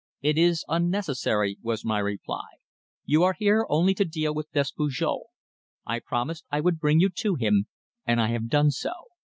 "It is unnecessary," was my reply. "You are here only to deal with Despujol. I promised I would bring you to him and I have done so.